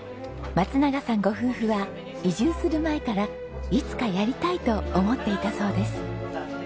松永さんご夫婦は移住する前からいつかやりたいと思っていたそうです。